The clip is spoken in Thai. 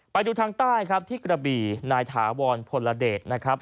ไปดูทางใต้ครับที่กระบี่นายถาวรพลเดชนะครับ